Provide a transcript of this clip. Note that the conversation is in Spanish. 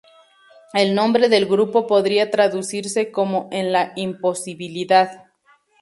El nombre del grupo podría traducirse como "en la imposibilidad".